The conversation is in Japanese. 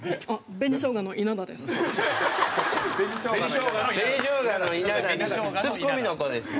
紅しょうがの稲田っていうツッコミの子です。